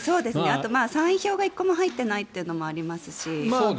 あと３位票が１個も入っていないというのもありますし。